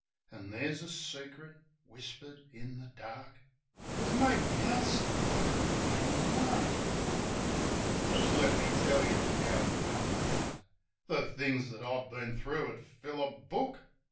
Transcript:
An' there's a secret, whispered in the dark, 'As made me 'eart sing like a flamin' lark. UNCLE JIM 96 Jist let me tell yeh 'ow it come about. The things that I've been thro' 'ud fill a book.